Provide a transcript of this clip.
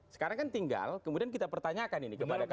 sekarang kan tinggal kemudian kita pertanyakan ini kepada kami